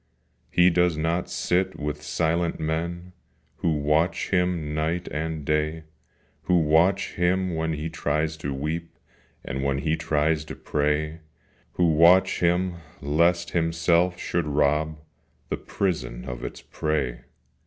He does not sit with silent men Who watch him night and day; Who watch him when he tries to weep, And when he tries to pray; Who watch him lest himself should rob The prison of its prey.